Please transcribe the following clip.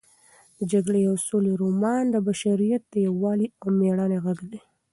د جګړې او سولې رومان د بشریت د یووالي او مېړانې غږ دی.